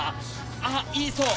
ああいいそう。